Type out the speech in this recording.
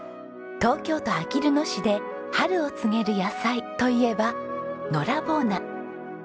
東京都あきる野市で春を告げる野菜といえばのらぼう菜。